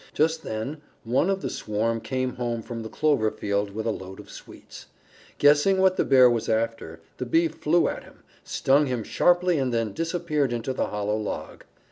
Just then one of the swarm came home from the clover field with a load of sweets. Guessing what the Bear was after, the Bee flew at him, stung him sharply and then disappeared into the hollow log.